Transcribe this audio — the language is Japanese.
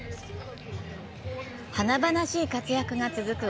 華々しい活躍が続く